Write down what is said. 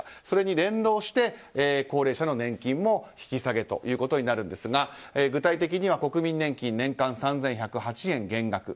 それに連動して高齢者の年金も引き下げということになるんですが具体的に国民年金、年間３１０８円減額。